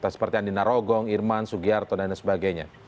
seperti andina rogong irman sugiarto dan lain sebagainya